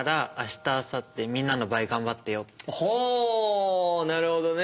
ほうなるほどね。